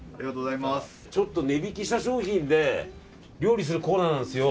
ちょっと値引きした商品で料理するコーナーなんですよ